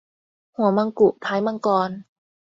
หัวมังกุท้ายมังกร